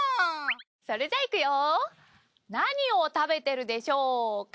それじゃあいくよ何を食べてるでしょうか？